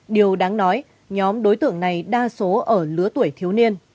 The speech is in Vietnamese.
điều đáng nói nhóm đối tượng này đa số ở lứa tuổi thiếu niên